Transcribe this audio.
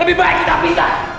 lebih baik kita pisah